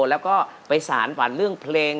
แล้วก็ไปสารฝันเรื่องเพลง